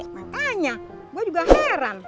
makanya gue juga heran